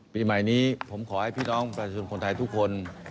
ปีใหม่นี้ผมขอให้พี่น้องประชาชนคนไทยทุกคน